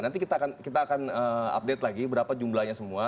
nanti kita akan update lagi berapa jumlahnya semua